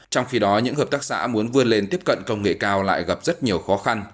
trong khi đó những hợp tác xã muốn vươn lên tiếp cận công nghệ cao lại gặp rất nhiều khó khăn